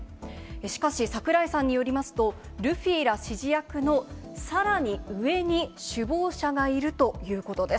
しかし、櫻井さんによりますと、ルフィら指示役のさらに上に首謀者がいるということです。